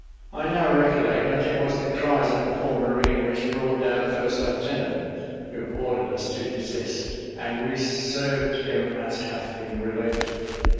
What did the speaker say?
I now recollect that it was the cries of the poor marine which brought down the first lieutenant, who ordered us to desist, and we served him as hath been related.